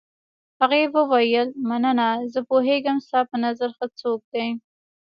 هغې وویل: مننه، زه پوهېږم ستا په نظر ښه څوک دی.